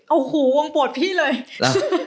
โอ้โหวงโปรดพี่เลย